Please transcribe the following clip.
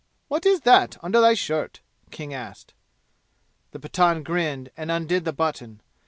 "What is that, under thy shirt?" King asked. The Pathan grinned, and undid the button.